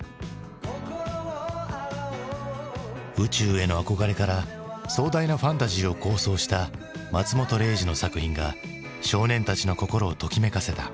宇宙への憧れから壮大なファンタジーを構想した松本零士の作品が少年たちの心をときめかせた。